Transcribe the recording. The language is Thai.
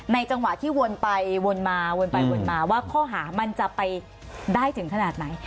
จังหวะที่วนไปวนมาวนไปวนมาว่าข้อหามันจะไปได้ถึงขนาดไหน